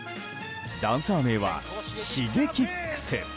ダンサー名はＳｈｉｇｅｋｉｘ。